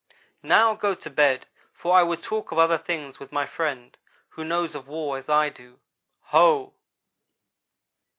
"Now go to bed; for I would talk of other things with my friend, who knows of war as I do. Ho!